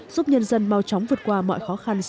giúp nhân dân mau chóng vượt qua mọi khó khăn